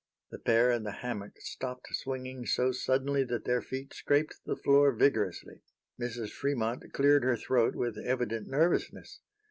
The pair in the hammock stopped swinging so suddenly that their feet scraped the floor vigorously. Mrs. Fremont cleared her throat with evident nervousness.